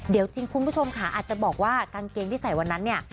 เดี๋ยวจริงคุณผู้ชมค่ะอาจจะบอกว่ากางเกงที่ใส่วันนั้นเนี่ย